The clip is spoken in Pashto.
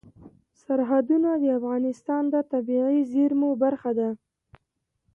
سرحدونه د افغانستان د طبیعي زیرمو برخه ده.